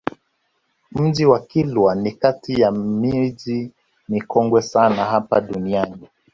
Mji wa Kilwa ni kati ya miji mikongwe sana hapa duniani